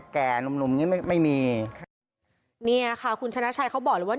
แก่นุ่มหนุ่มนี้ไม่ไม่มีครับเนี่ยค่ะคุณชนะชัยเขาบอกเลยว่า